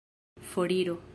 foriro